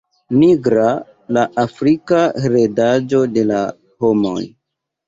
Nigra, la afrika heredaĵo de la homoj.